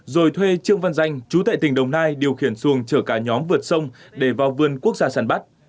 rồi thuê trương văn danh chú tại tỉnh đồng nai điều khiển xuồng chở cả nhóm vượt sông để vào vườn quốc gia săn bắt